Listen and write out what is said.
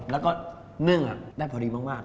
แล้วก็หนึ่งอ่ะได้ประดีมาก